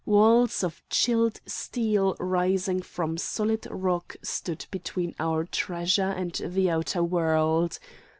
Walls of chilled steel rising from solid rock stood between our treasure and the outer world.